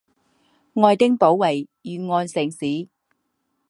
爱丁堡为沿岸城市。